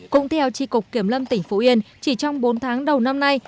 cũng theo tri cục kiểm lâm tỉnh phú yên chỉ trong bốn tháng đầu năm nay